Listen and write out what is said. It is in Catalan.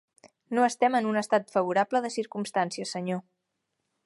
No estem en un estat favorable de circumstàncies, senyor.